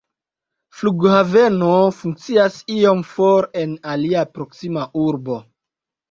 Flughaveno funkcias iom for en alia proksima urbo.